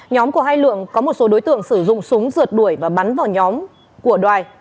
nhóm của hai lượng có một số đối tượng sử dụng súng rượt đuổi và bắn vào nhóm của đoài